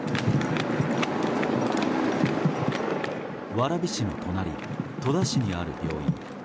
蕨市の隣、戸田市にある病院。